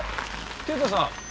敬太さん。